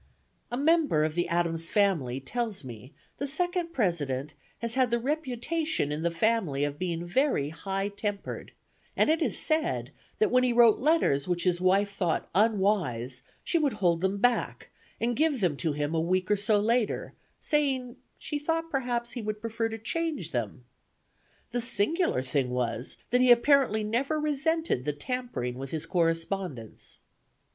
A member of the Adams family tells me the Second President "has the reputation in the family of being very high tempered, and it is said that when he wrote letters which his wife thought unwise, she would hold them back and give them to him a week or so later, saying she thought perhaps he would prefer to change them! The singular thing was that he apparently never resented the tampering with his correspondence."